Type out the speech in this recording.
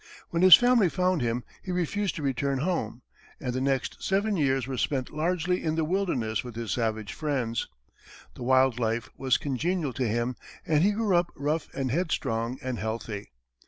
When his family found him, he refused to return home, and the next seven years were spent largely in the wilderness with his savage friends. The wild life was congenial to him, and he grew up rough and head strong and healthy.